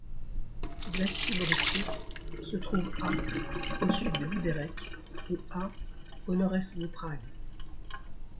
Vlastibořice se trouve à au sud de Liberec et à au nord-est de Prague.